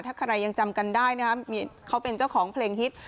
ถ้าใครยังจำกันได้นะครับเขาเป็นเจ้าของเพลงฮิต